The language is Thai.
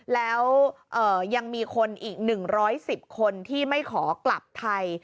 แล้วยังมีคนอีก๑๑๐คนที่ไม่ขอกลับไทย